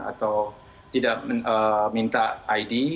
atau tidak minta id